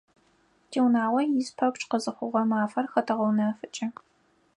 Тиунагъо ис пэпчъ къызыхъугъэ мафэр хэтэгъэунэфыкӀы.